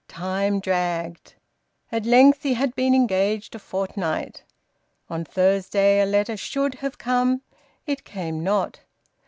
Time dragged. At length he had been engaged a fortnight. On Thursday a letter should have come. It came not.